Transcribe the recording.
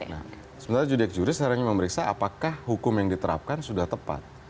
nah sebenarnya judek juris sekarang memeriksa apakah hukum yang diterapkan sudah tepat